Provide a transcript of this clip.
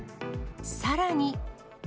さらに。